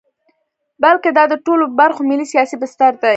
بلکې دا د ټولو برخو ملي سیاسي بستر دی.